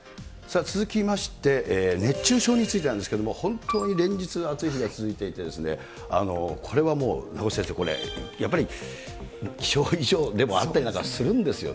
続きまして、熱中症についてなんですけれども、本当に連日、暑い日が続いていて、これはもう、名越先生、やっぱり気象異常でもあったりなんかするんですよね。